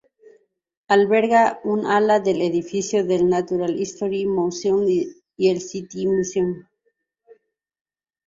Alberga un ala del edificio del Natural History Museum y el City Museum.